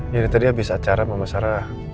ini tadi abis acara mama sarah